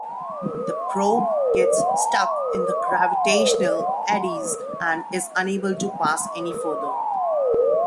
The probe gets stuck in gravitational eddies, and is unable to pass any further.